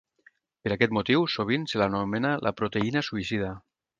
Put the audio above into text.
Per aquest motiu, sovint se l'anomena la proteïna suïcida.